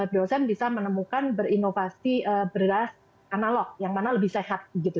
dosen bisa menemukan berinovasi beras analog yang mana lebih sehat gitu